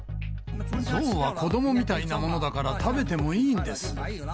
象は子どもみたいなものだから、食べてもいいんです。